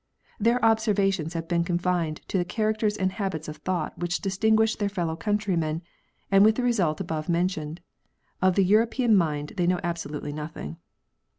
Their observations have been confined to the charac ters and habits of thought which distinguish their fellow countrymen, and with the result above men tioned ; of the European mind they know absolutely nothing.